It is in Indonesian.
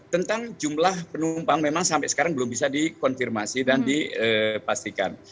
tentang jumlah penumpang memang sampai sekarang belum bisa dikonfirmasi dan dipastikan